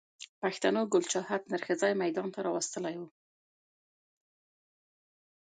پښتنو ګل چاهت نر ښځی ميدان ته را وستلی و